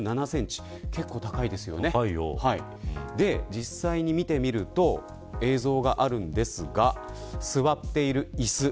実際に見てみると映像があるのですが座っている椅子。